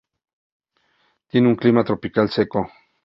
Tiene un clima tropical seco.